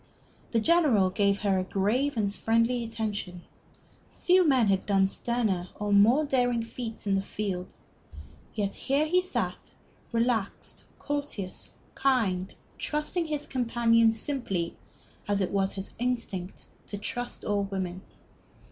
The General gave her a grave and friendly attention. Few men had done sterner or more daring feats in the field. Yet here he sat, relaxed, courteous, kind, trusting his companions simply, as it was his instinct to trust all women.